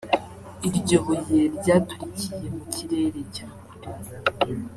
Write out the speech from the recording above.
iryo buye ryaturikiye mu kirere cya kure